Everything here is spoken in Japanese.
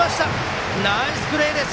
ナイスプレーです！